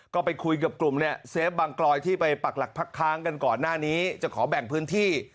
ก็ไปคุยกับกลุ่มเนี่ยเซฟบางกลอยที่ไปปักหลักพักค้างกันก่อนหน้านี้จะขอแบ่งพื้นที่